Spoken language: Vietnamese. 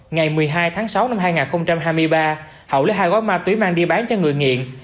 ngày một mươi hai tháng sáu năm hai nghìn hai mươi ba hậu lấy hai gói ma túy mang đi bán cho người nghiện